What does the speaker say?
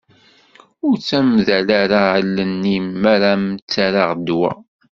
Ur ttamdal ara allen-im mi ara m-ttarraɣ ddwa.